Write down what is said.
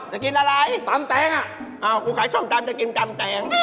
จะกินอะไรอ่ะตำแปงอ่ะเอ้ากูขายซ่อมตำจะกินตำแปง